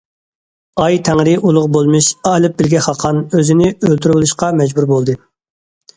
« ئاي تەڭرى ئۇلۇغ بولمىش ئالىپ بىلگە خاقان» ئۆزىنى ئۆلتۈرۈۋېلىشقا مەجبۇر بولدى.